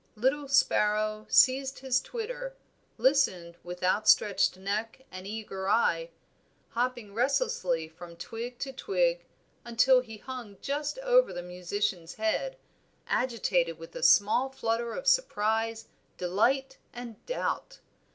Little sparrow ceased his twitter, listened with outstretched neck and eager eye, hopping restlessly from twig to twig, until he hung just over the musician's head, agitated with a small flutter of surprise, delight, and doubt.